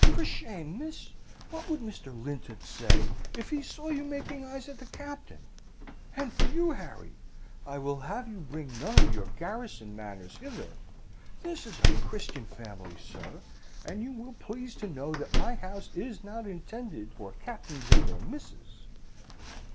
'For shame, miss! What would Mr. Lintot say if he saw you making eyes at the Captain? And for you, Harry, I will have you bring none of your garrison manners hither. This is a Christian family, sir, and you will please to know that my house is not intended for captains and their misses!'